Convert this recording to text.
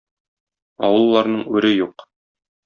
Авылларның үре юк.